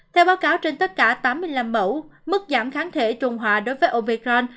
theo báo cáo trên tất cả tám mươi năm mẫu mức giảm kháng thể trùng hòa đối với opecrand